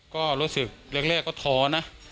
ก็รู้สึกแรกก็ท้อนะ